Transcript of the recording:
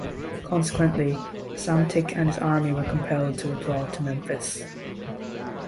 Consequently, Psamtik and his army were compelled to withdraw to Memphis.